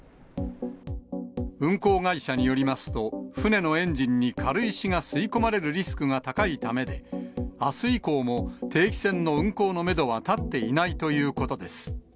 運航会社によりますと、船のエンジンに軽石が吸い込まれるリスクが高いためで、あす以降も定期船の運航のメドは立っていないということです。